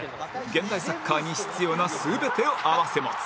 現代サッカーに必要な全てを併せ持つ